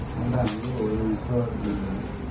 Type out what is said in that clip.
ทั้งนั้นก็โอ้ร่อยเพิ่มหนึ่ง